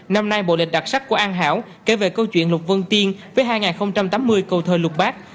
năm nay bộ lịch đặc sắc của an hảo kể về câu chuyện lục vân tiên với hai tám mươi câu thơ lục bát